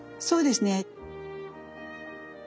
そうですね。